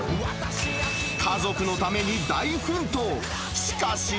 家族のために大奮闘。